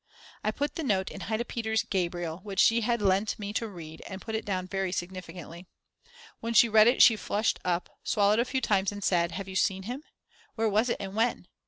I put the note in Heidepeter's Gabriel, which she had lent to me to read and put it down very significantly. When she read it she flushed up, swallowed a few times and said: "Have you seen him? Where was it and when?"